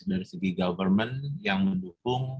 dari pemerintah yang mendukung